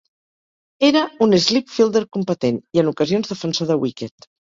Era un slip fielder competent, i en ocasions defensor de wicket.